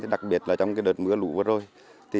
đặc biệt là trong đợt mưa lũ vừa rồi